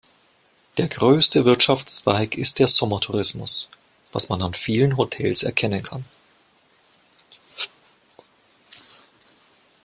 Der größte Wirtschaftszweig ist der Sommertourismus, was man an vielen Hotels erkennen kann.